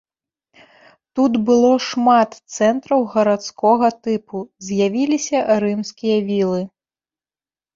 Тут было шмат цэнтраў гарадскога тыпу, з'явіліся рымскія вілы.